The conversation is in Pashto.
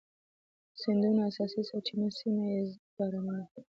د سیندونو اساسي سرچینه سیمه ایز بارانونه دي.